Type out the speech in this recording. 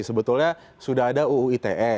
sebetulnya sudah ada uu ite